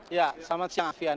ya selamat siang alvin